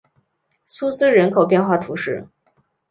苏斯人口变化图示